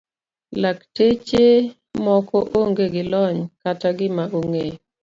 Lakteche moko onge gi lony kata gima ong'eyo.